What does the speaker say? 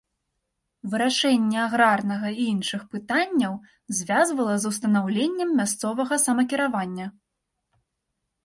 Вырашэнне аграрнага і іншых пытанняў звязвала з устанаўленнем мясцовага самакіравання.